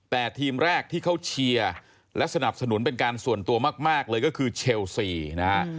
แต่ทีมแรกที่เขาเชียร์และสนับสนุนเป็นการส่วนตัวมากเลยก็คือเชลซีนะฮะ